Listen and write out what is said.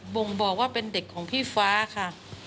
บ่งบอกว่าเป็นเด็กของพี่ฟ้าค่ะ